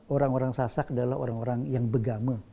orang orang sasak adalah orang orang yang begame